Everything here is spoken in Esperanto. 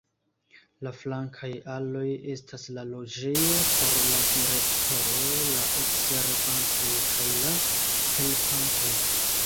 La flankaj aloj estas la loĝejo por la direktoro, la observantoj kaj la helpantoj.